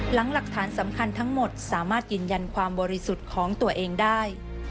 หลักฐานสำคัญทั้งหมดสามารถยืนยันความบริสุทธิ์ของตัวเองได้